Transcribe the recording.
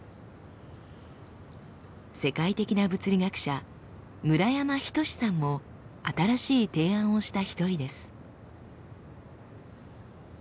世界的な物理学者村山斉さんも新しい提案をした一人です。